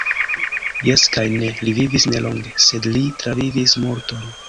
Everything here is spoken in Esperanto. Jes kaj ne; li vivis ne longe, sed li travivis multon.